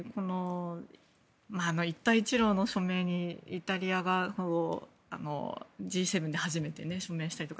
一帯一路の署名にイタリアはＧ７で初めて署名したりとか